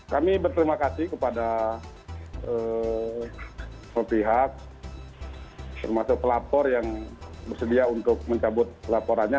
kami berterima kasih kepada pihak termasuk pelapor yang bersedia untuk mencabut laporannya